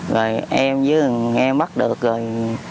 rồi em với anh em bắt được rồi